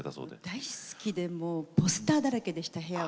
大好きでもうポスターだらけでした部屋は。